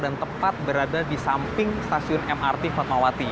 dan tepat berada di samping stasiun mrt